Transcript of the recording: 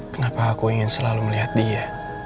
kenapa aku ingin selalu melihat dia